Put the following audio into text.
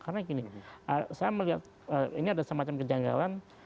karena gini saya melihat ini ada semacam kejanggalan